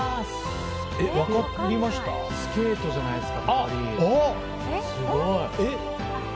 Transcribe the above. スケートじゃないですか？